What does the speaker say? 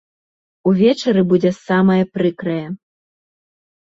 Увечары будзе самае прыкрае.